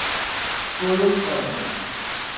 প্রয়োগ করেন।